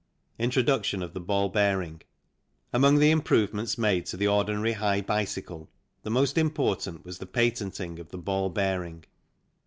Introduction of the Ball Bearing. Among the im provements made to the ordinary high bicycle the most important was the patenting of the ball bearing.